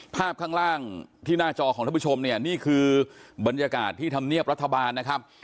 ภาพข้างล่างที่หน้าจอของท่านผู้ชมเนี่ยนี่คือบรรยากาศที่ธรรมเนียบรัฐบาลนะครับ